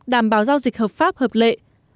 đảm bảo giao dịch hợp pháp hợp lệ